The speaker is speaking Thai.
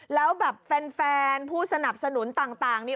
แล้วแบบแฟนผู้สนับสนุนต่าง